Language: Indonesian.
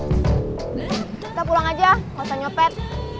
kita pulang aja nggak usah nyopet